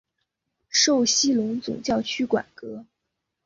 受西隆总教区管辖。